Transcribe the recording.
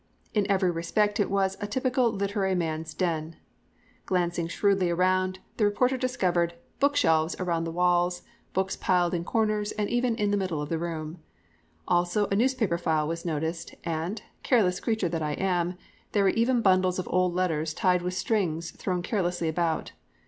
In every respect it was a "typical literary man's den." Glancing shrewdly around, the reporter discovered "bookshelves around the walls, books piled in corners, and even in the middle of the room." Also a newspaper file was noticed, and careless creature that I am "there were even bundles of old letters tied with strings thrown carelessly about."